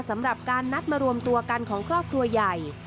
สำหรับการนัดมารวมตัวกันของครอบครัวใหญ่